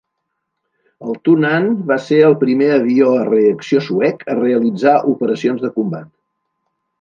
El Tunnan va ser el primer avió a reacció suec a realitzar operacions de combat.